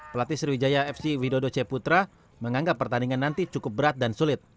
pelatih sriwijaya fc widodo c putra menganggap pertandingan nanti cukup berat dan sulit